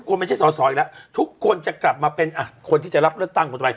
คนไม่ใช่สอสออีกแล้วทุกคนจะกลับมาเป็นคนที่จะรับเลือกตั้งคนไทย